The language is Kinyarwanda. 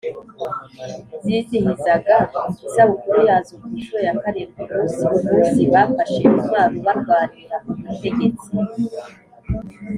zizihizaga isabukuru yazo ku nshuro ya karindwi umunsi umunsi bafashe intwaro barwanira ubutegetsi,